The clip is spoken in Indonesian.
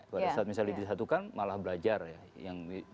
pada saat misalnya disatukan malah belajar ya